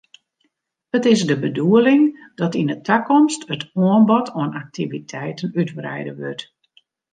It is de bedoeling dat yn 'e takomst it oanbod oan aktiviteiten útwreide wurdt.